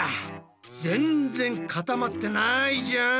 全然固まってないじゃん！